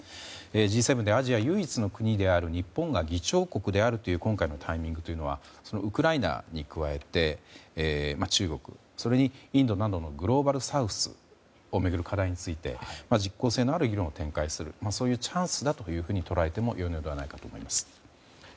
Ｇ７でアジア唯一の国である日本が今回の議長国だというタイミングはウクライナに加えて中国、それにインドなどのグローバルサウスを巡る課題について実効性のある議論を展開するチャンスと考えていいのではないかと思います。